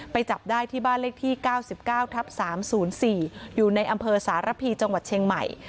ไปจับได้ที่บ้านเลขที่เก้าสิบเก้าทับสามศูนย์สี่อยู่ในอำเภอสารพีจังหวัดเชียงใหม่